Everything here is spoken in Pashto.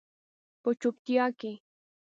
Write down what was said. په چوپتیا کې